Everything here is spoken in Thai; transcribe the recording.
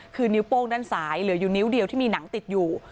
คือนิ้วโป้งด้านซ้ายเหลืออยู่นิ้วเดียวที่มีหนังติดอยู่